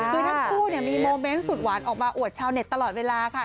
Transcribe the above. คือทั้งคู่มีโมเมนต์สุดหวานออกมาอวดชาวเน็ตตลอดเวลาค่ะ